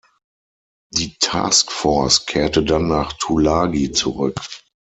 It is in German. Die Task Force kehrte dann nach Tulagi zurück.